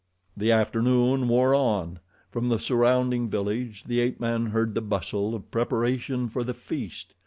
The afternoon wore on. From the surrounding village the ape man heard the bustle of preparation for the feast.